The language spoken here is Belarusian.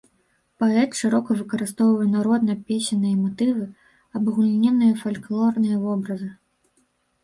Паэт шырока выкарыстоўвае народна-песенныя матывы, абагульненыя фальклорныя вобразы.